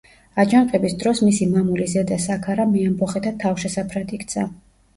აჯანყების დროს მისი მამული ზედა საქარა მეამბოხეთა თავშესაფრად იქცა.